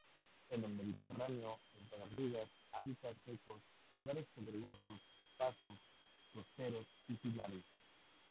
En el Mediterráneo, en garrigas, hábitats secos, lugares pedregosos, pastos costeros y pinares.